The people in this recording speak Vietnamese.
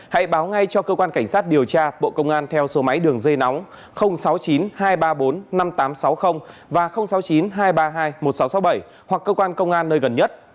hãy báo ngay cho cơ quan cảnh sát điều tra bộ công an theo số máy đường dây nóng sáu mươi chín hai trăm ba mươi bốn năm nghìn tám trăm sáu mươi và sáu mươi chín hai trăm ba mươi hai một nghìn sáu trăm sáu mươi bảy hoặc cơ quan công an nơi gần nhất